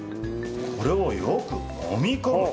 これをよくもみ込む。